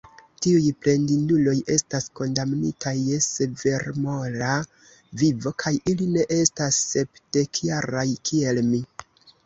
Tiuj plendinduloj estas kondamnitaj je severmora vivo, kaj ili ne estas sepdekjaraj, kiel mi.